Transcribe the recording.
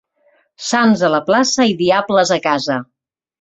Sants a la plaça i diables a casa.